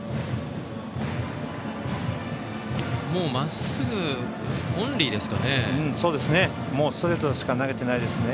もうまっすぐオンリーですかね。